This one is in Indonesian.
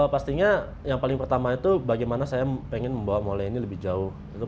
pastinya yang paling pertama itu bagaimana saya pengen membawa molai ini lebih jauh